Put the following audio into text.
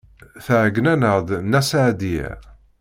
Tɛeyyen-aneɣ-d Nna Seɛdiya.